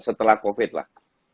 setelah covid lah